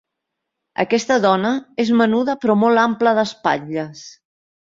Aquesta dona és menuda però molt ampla d'espatlles.